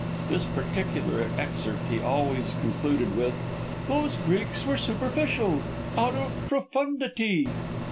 This particular excerpt he always concluded with, "'Those Greeks were superficial OUT OF PROFUNDITY!'"